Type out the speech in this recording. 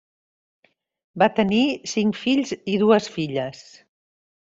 Van tenir cinc fills i dues filles.